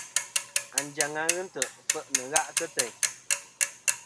Anjaŋ-a ghɨ nt̀' i fe'nɨ gha' kɨ teyn.